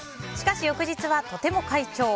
しかし翌日はとても快調。